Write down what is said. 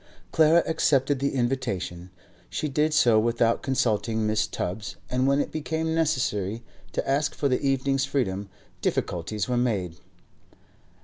Clara accepted the invitation. She did so without consulting Mrs. Tubbs, and when it became necessary to ask for the evening's freedom, difficulties were made.